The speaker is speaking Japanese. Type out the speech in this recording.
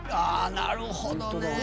なるほどね」